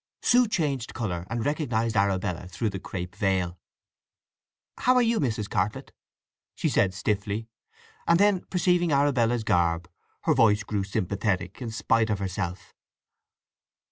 Sue changed colour and recognized Arabella through the crape veil. "How are you, Mrs. Cartlett?" she said stiffly. And then perceiving Arabella's garb her voice grew sympathetic in spite of herself.